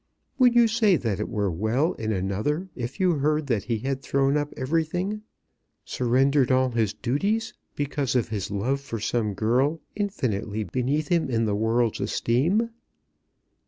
Would you say that it were well in another if you heard that he had thrown up everything, surrendered all his duties, because of his love for some girl infinitely beneath him in the world's esteem?"